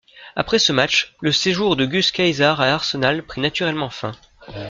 Après ce match le séjour de Gus Caesar à Arsenal prit naturellement fin.